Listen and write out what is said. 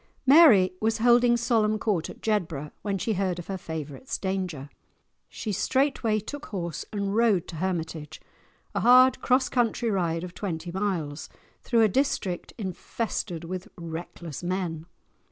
Mary was holding solemn court at Jedburgh when she heard of her favourite's danger. She straightway took horse and rode to Hermitage, a hard cross country ride of twenty miles, through a district infested with reckless men.